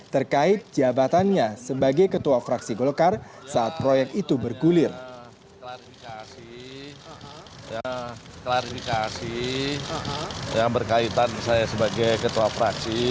terkait jabatannya sebagai ketua fraksi golkar saat proyek itu bergulir